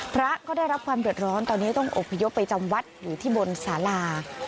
พระก็ได้รับความเดือดร้อนตอนนี้ต้องอบพยพไปจำวัดอยู่ที่บนสารา